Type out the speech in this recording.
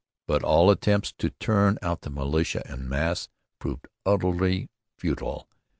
But all attempts to turn out the militia en masse_ proved utterly futile.